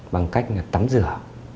bằng cách tắm rửa